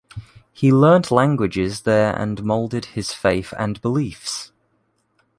He learnt languages there and molded his faith and beliefs.